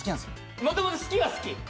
もともと好きは好き？